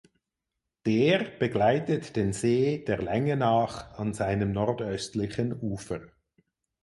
Der begleitet den See der Länge nach an seinem nordöstlichen Ufer.